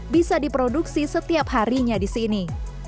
bisa diproduksi setiap harinya di sini